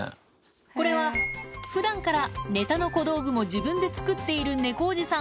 これは普段からネタの小道具も自分で作っているネコおじさん